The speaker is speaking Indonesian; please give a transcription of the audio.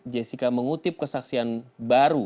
jessica mengutip kesaksian baru